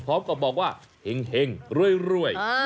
ครอบครอกบอกว่าเห็งเรื่อย